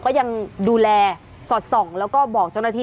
ก็ยังดูแลสอดส่องแล้วก็บอกเจ้าหน้าที่